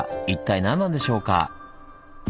一体何なんでしょうか。